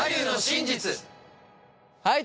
はい。